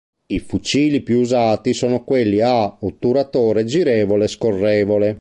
I fucili più usati sono quelli a otturatore girevole-scorrevole.